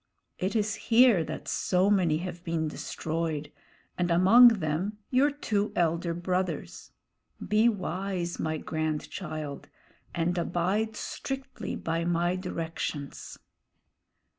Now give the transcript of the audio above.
It is here that so many have been destroyed, and among them your two elder brothers. Be wise, my grandchild, and abide strictly by my directions."